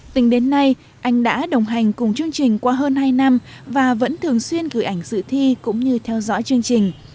tính đến nay anh đã đồng hành cùng chương trình qua hơn hai năm và vẫn thường xuyên gửi ảnh sự thi cũng như theo dõi chương trình